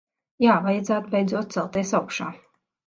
Jā, vajadzētu beidzot celties augšā.